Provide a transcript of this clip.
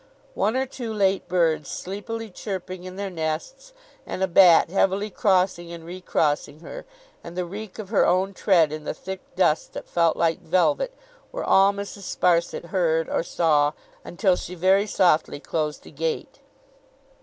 One or two late birds sleepily chirping in their nests, and a bat heavily crossing and recrossing her, and the reek of her own tread in the thick dust that felt like velvet, were all Mrs. Sparsit heard or saw until she very softly closed a gate.